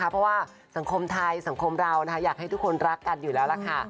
เพราะว่าสังคมไทยสังคมเราอยากให้ทุกคนรักกันอยู่แล้วล่ะค่ะ